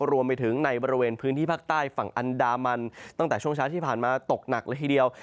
รวมไปถึงในบริเวณพื้นที่ภาคใต้ฝั่งอันดามันตั้งแต่ช่วงเช้าที่ผ่านมาตกหนักเลยทีเดียว